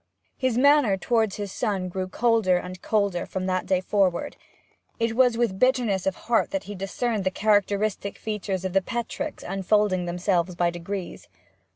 His manner towards his son grew colder and colder from that day forward; and it was with bitterness of heart that he discerned the characteristic features of the Petricks unfolding themselves by degrees.